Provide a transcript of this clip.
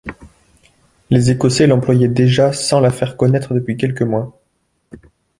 Les Écossais l'employaient déjà sans la faire connaître depuis quelques mois.